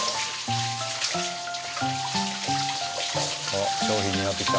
あっ商品になってきた。